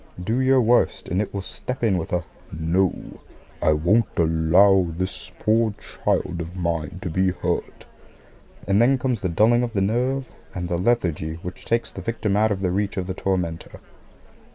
Do your worst, and it will step in with a "No, I won't allow this poor child of mine to be hurt"; and then comes the dulling of the nerve and the lethargy which takes the victim out of the reach of the tormentor.